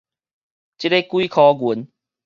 這个幾箍銀